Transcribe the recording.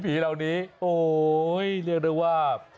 ผีเหล่านี้โอ๊ยเรียกได้ว่า